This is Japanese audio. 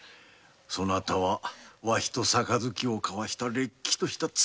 そなたはわしと杯を交わしたれっきとした妻なのだ。